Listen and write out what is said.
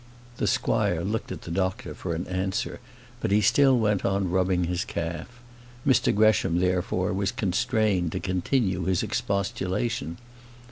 The squire looked at the doctor for an answer; but he still went on rubbing his calf. Mr Gresham, therefore, was constrained to continue his expostulation.